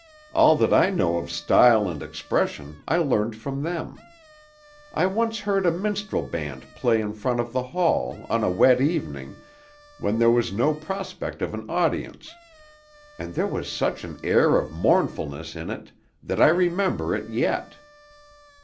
All that I know of style and expression I learned from them. I once heard a minstrel band play in front of the hall, on a wet evening, when there was no prospect of an audience, and there was such an air of mournfulness in it that I remember it yet.